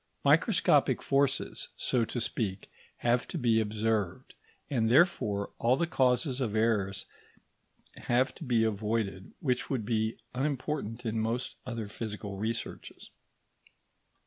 Microscopic forces, so to speak, have to be observed, and therefore all the causes of errors have to be avoided which would be unimportant in most other physical researches.